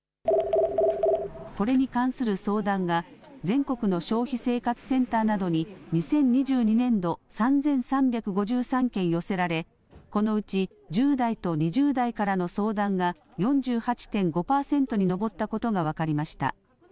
これに関する相談が全国の消費生活センターなどに２０２２年度３３５３件寄せられこのうち１０代と２０代からの相談が４８．５％に上ったことが分かりました。